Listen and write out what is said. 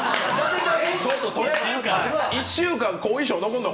１週間、後遺症が残るの？